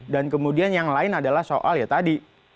dan kemudian yang lain adalah soal ya tadi